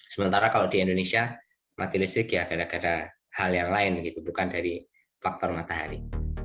sementara kalau di indonesia mati listrik ya gara gara hal yang lain gitu bukan dari faktor matahari